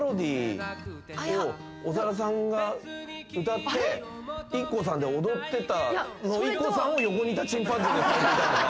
長田さんが歌ってＩＫＫＯさんで踊ってたののＩＫＫＯさんを横にいたチンパンジーと感じたのか。